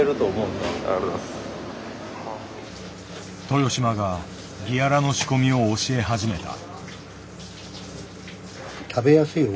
豊島がギアラの仕込みを教え始めた。